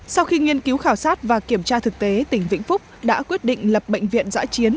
sau khi nghiên cứu khảo sát và kiểm tra thực tế tỉnh vĩnh phúc đã quyết định lập bệnh viện giã chiến